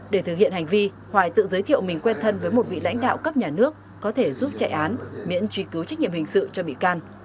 để thực hiện hành vi hoài tự giới thiệu mình quen thân với một vị lãnh đạo cấp nhà nước có thể giúp chạy án miễn truy cứu trách nhiệm hình sự cho bị can